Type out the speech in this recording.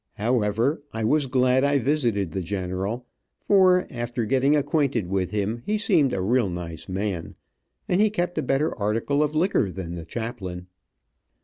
However, I was glad I visited the general, for, after getting acquainted with him, he seemed a real nice man, and he kept a better article of liquor than the chaplain.